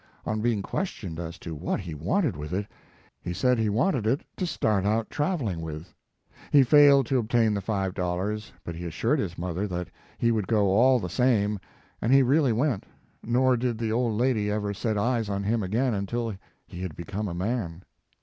On being questioned as to what he wanted with it, he said he wanted it to start out traveling with. He failed to obtain the five dollars, but he assured his mother that he would go all the same, and he really went, nor did the old lady ever set eyes on him again until he had be come a man.